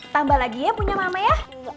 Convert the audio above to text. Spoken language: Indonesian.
tambah lagi ya punya mama ya